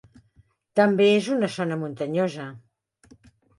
També és una zona muntanyosa.